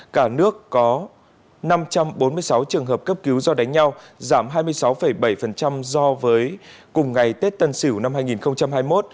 cả nước có năm trăm bốn mươi sáu trường hợp cấp cứu do đánh nhau giảm hai mươi sáu bảy so với cùng ngày tết tân sửu năm hai nghìn hai mươi một